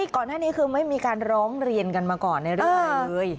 ก่อนท่านนี้คือไม่มีการร้องเรียนกันมาก่อนเลย